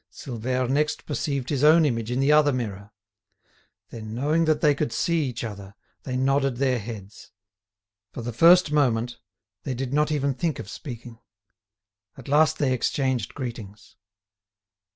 Silvère next perceived his own image in the other mirror. Then, knowing that they could see each other, they nodded their heads. For the first moment, they did not even think of speaking. At last they exchanged greetings.